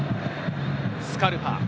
スカルパ。